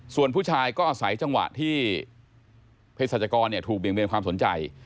ส่วนผู้ชายก็อาศัยจังหวะที่เพศรัชกรถูกเบี่ยงเบนความสนใจ